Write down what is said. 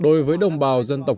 đối với đồng bào dân tộc cống